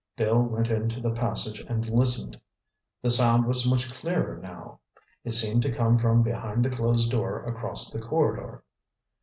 Bill went into the passage and listened. The sound was much clearer now. It seemed to come from behind the closed door across the corridor.